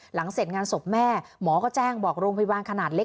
หลังเสร็จงานศพแม่หมอก็แจ้งบอกโรงพยาบาลขนาดเล็ก